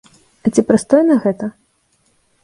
А ці прыстойна гэта?